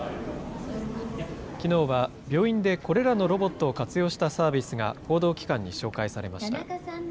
きのうは病院でこれらのロボットを活用したサービスが、報道機関に紹介されました。